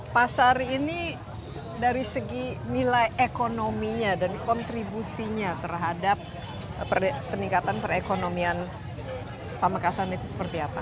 pasar ini dari segi nilai ekonominya dan kontribusinya terhadap peningkatan perekonomian pamekasan itu seperti apa